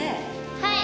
はい。